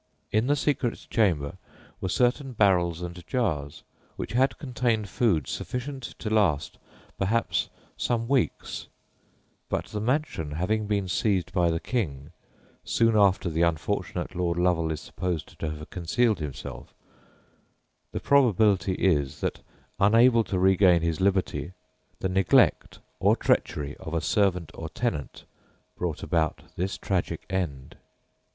In the secret chamber were certain barrels and jars which had contained food sufficient to last perhaps some weeks; but the mansion having been seized by the King, soon after the unfortunate Lord Lovel is supposed to have concealed himself, the probability is that, unable to regain his liberty, the neglect or treachery of a servant or tenant brought about this tragic end.